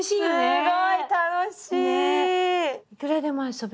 すごい楽しい！